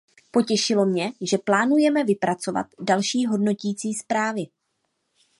Potěšilo mě, že plánujeme vypracovat další hodnotící zprávy.